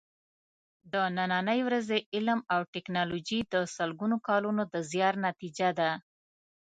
د نننۍ ورځې علم او ټېکنالوجي د سلګونو کالونو د زیار نتیجه ده.